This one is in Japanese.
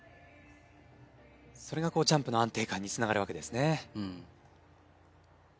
それがこうジャンプの安定感につながるわけですね。